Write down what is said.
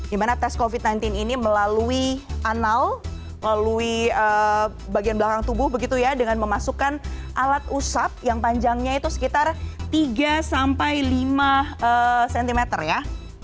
dimana tes covid sembilan belas ini melalui anal melalui bagian belakang tubuh begitu ya dengan memasukkan alat usap yang panjangnya itu sekitar tiga sampai lima cm ya